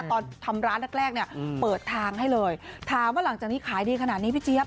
ตอนทำร้านแรกแรกเนี่ยเปิดทางให้เลยถามว่าหลังจากนี้ขายดีขนาดนี้พี่เจี๊ยบ